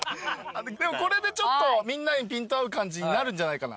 これでちょっとみんなにピント合う感じになるんじゃないかな。